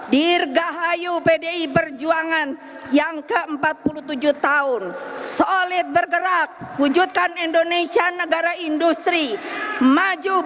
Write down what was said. dirgahayu pdi perjuangan yang ke empat puluh tujuh tahun solid bergerak wujudkan indonesia negara industri maju